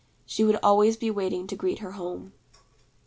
She would always be waiting to greet her home.